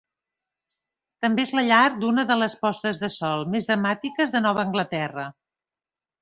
També és la llar d'una de les postes de sol més dramàtiques de Nova Anglaterra.